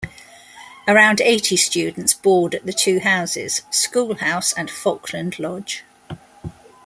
Around eighty students board at the two houses; School House and Falkland Lodge.